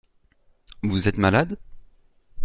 Vous êtes malade ?